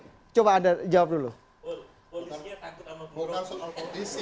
polisnya takut sama bapak rocky bukan soal polisi